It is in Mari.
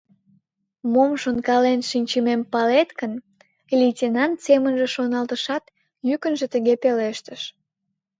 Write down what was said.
«Мом шонкален шинчымем палет ыле гын...» — лейтенант семынже шоналтышат, йӱкынжӧ тыге пелештыш: